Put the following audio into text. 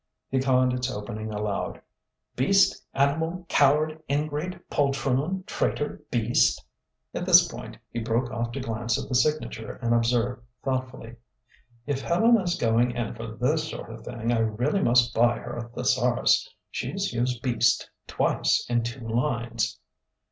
He conned its opening aloud: "'Beast animal coward ingrate poltroon traitor beast' " At this point he broke off to glance at the signature and observe thoughtfully: "If Helena's going in for this sort of thing, I really must buy her a thesaurus: she's used 'beast' twice in two lines...."